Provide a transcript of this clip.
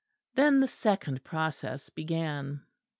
Then the second process began.